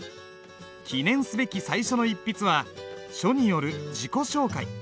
記念すべき最初の一筆は書による自己紹介。